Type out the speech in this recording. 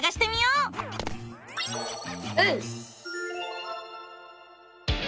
うん！